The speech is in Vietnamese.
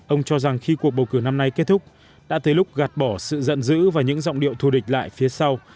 ông cho rằng khi cuộc bầu cử năm nay kết thúc đã tới lúc gạt bỏ sự giận dữ và những giọng điệu thù địch lại phía sau